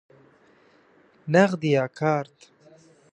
نغدی یا کارت؟